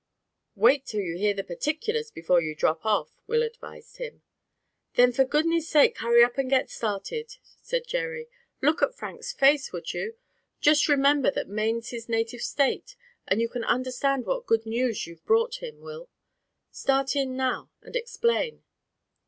"Wait till you hear the particulars before you drop off," Will advised him. "Then for goodness' sake hurry up and get started," said Jerry. "Look at Frank's face, would you? Just remember that Maine's his native State, and you can understand what good news you've brought him, Will. Start in now, and explain."